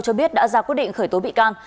cho biết đã ra quyết định khởi tố bị can